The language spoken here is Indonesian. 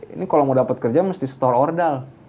ini kalau mau dapat kerja mesti store ordel